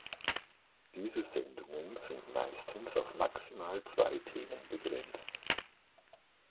Diese Sendungen sind meistens auf maximal zwei Themen begrenzt.